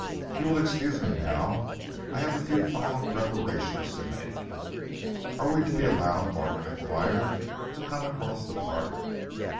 "You will excuse me now? I have a few final preparations to make." "Are we to be allowed," Margaret enquired, "to come across the park?"